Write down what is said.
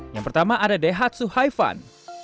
yang pertama ada daihatsu hi fun